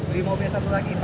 beli mobil satu lagi pak